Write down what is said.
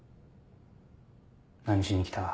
何しに来た？